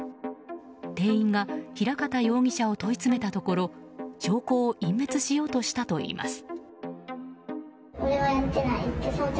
店員が平方容疑者を問い詰めたところ証拠を隠滅しようとしたといいます。